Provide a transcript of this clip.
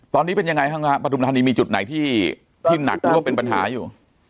ตอนนี้เป็นยังไงครับครับปฐุมธานีมีจุดไหนที่ที่หนักโลกเป็นปัญหาอยู่